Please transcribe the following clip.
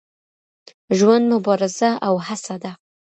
ژوند مبارزه او هڅه ده.